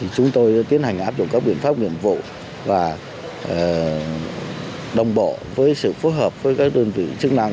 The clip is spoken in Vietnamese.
chúng tôi tiến hành áp dụng các biện pháp nghiệp vụ và đồng bộ với sự phối hợp với các đơn vị chức năng